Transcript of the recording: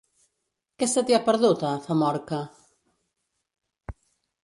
Què se t'hi ha perdut, a Famorca?